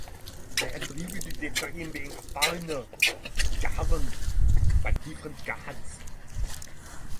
They attributed it to him being a foreigner governed by different gods.